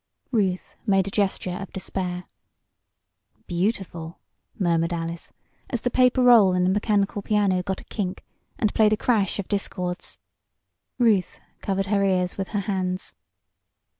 Ruth made a gesture of despair. "Beautiful!" murmured Alice as the paper roll in the mechanical piano got a "kink," and played a crash of discords. Ruth covered her ears with her hands.